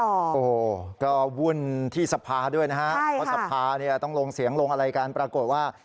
โอ้โหก็วุ่นที่สภาด้วยนะฮะเพราะสภาเนี่ยต้องลงเสียงลงอะไรกันปรากฏว่า